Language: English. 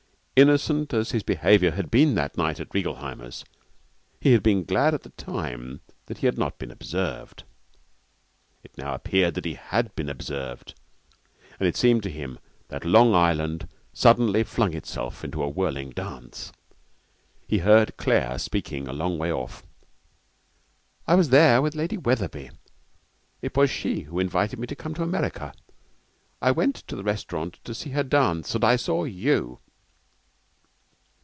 Innocent as his behaviour had been that night at Reigelheimer's, he had been glad at the time that he had not been observed. It now appeared that he had been observed, and it seemed to him that Long Island suddenly flung itself into a whirling dance. He heard Claire speaking a long way off: 'I was there with Lady Wetherby. It was she who invited me to come to America. I went to the restaurant to see her dance and I saw you!'